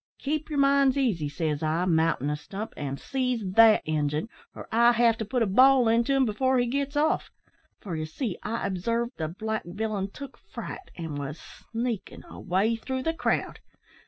"`Keep your minds easy,' says I, mountin' a stump, `an' seize that Injun, or I'll have to put a ball into him before he gits off' for, ye see, I obsarved the black villain took fright, and was sneakin' away through the crowd.